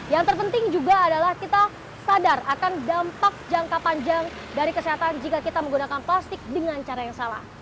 yang terpenting juga adalah kita sadar akan dampak jangka panjang dari kesehatan jika kita menggunakan plastik dengan cara yang salah